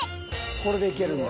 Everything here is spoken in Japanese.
これでいけるんや。